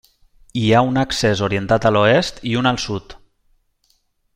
Hi ha un accés orientat a l'oest i un al sud.